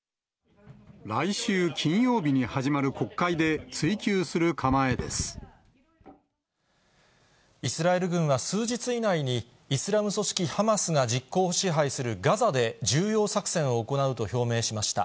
来週金曜日に始まる国会で、イスラエル軍は数日以内に、イスラム組織ハマスが実効支配するガザで重要作戦を行うと表明しました。